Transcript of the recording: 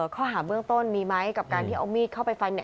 ข้อหาเมืองต้นมีมั้ยกับการที่เอามีดเข้าไปฟัน